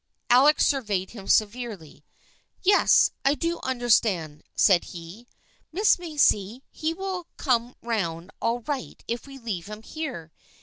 Alec surveyed him severely. " Yes, I do under stand," said he. " Miss Macy, he will come round all right if we leave him here.